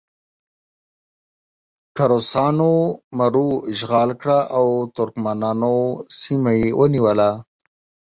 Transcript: که روسانو مرو اشغال کړه او ترکمنانو سیمه یې ونیوله.